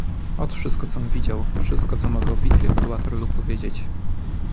"Ot, wszystko, com widział, wszystko co mogę o bitwie pod Waterloo powiedzieć."